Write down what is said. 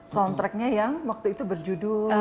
soundtracknya yang waktu itu berjudul